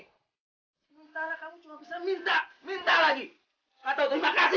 sementara kamu cuma bisa minta minta lagi